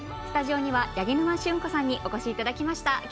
スタジオには、八木沼純子さんにお越しいただきました。